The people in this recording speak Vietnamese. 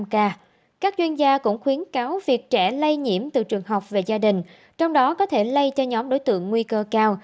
các chuyên gia cũng khuyến cáo việc trẻ lây nhiễm từ trường học về gia đình trong đó có thể lây cho nhóm đối tượng nguy cơ cao